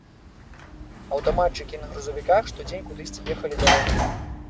Аўтаматчыкі на грузавіках штодзень кудысьці ехалі дарогамі.